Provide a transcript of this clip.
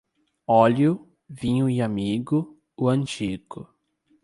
Óleo, vinho e amigo, o antigo.